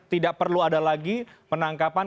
tidak perlu ada lagi penangkapan